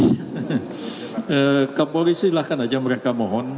pak kapolri silahkan aja mereka mohon